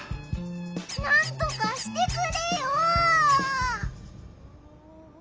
なんとかしてくれよ！